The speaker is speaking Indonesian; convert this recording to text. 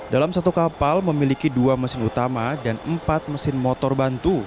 dalam satu kapal memiliki dua mesin utama dan empat mesin motor bantu